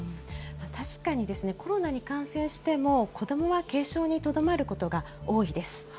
確かにコロナに感染しても、子どもは軽症にとどまることが多いです。